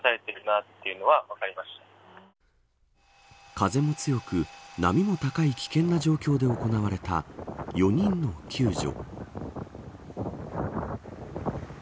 風も強く、波も高い危険な状況で行われた４人の救助。